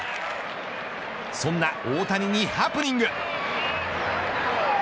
そんな大谷にハプニング。